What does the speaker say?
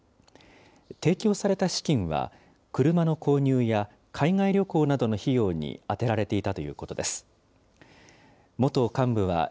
提供された資金は、車の購入や海外旅行などの費用に充てられていたということです。